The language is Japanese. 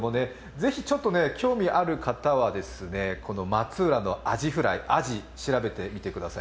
ぜひ興味ある方は、松浦のアジフライ、アジ、調べてみてください。